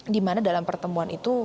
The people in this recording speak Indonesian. di mana dalam pertemuan itu